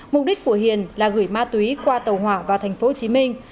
mục đích của hiền là gửi ma túy qua tàu hỏa vào thành phố hồ chí minh